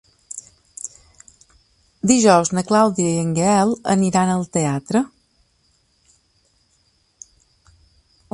Dijous na Clàudia i en Gaël aniran al teatre.